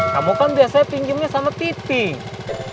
kamu kan biasanya pinjamnya sama titik